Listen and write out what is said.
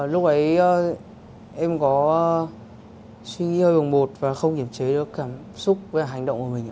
lúc ấy em có suy nghĩ hơi bồng bột và không kiềm chế được cảm xúc và hành động của mình ạ